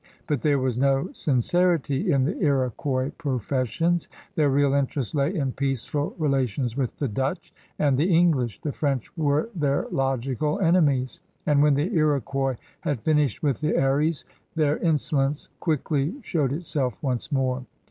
But there was no sincerity in the Iroquois professions. Their real interest lay in peaceful relations with the Dutch and the English; the French were their logical enemies; and when the Iroquois had finished with the Eries their insolence quickly showed itself once more.